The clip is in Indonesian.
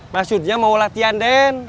maksudnya mau latihan den